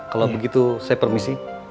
kalo begitu saya permisi